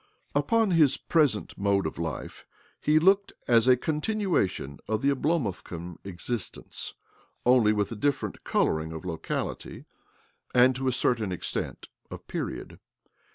Upon his present mode of life he looked as a continuation of the Oblomovkan exist ence (only with a different colouring of locality, and, to a certain extent, of period).